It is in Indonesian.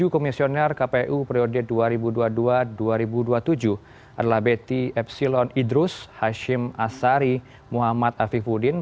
tujuh komisioner kpu periode dua ribu dua puluh dua dua ribu dua puluh tujuh adalah betty epsilon idrus hashim asari muhammad afifuddin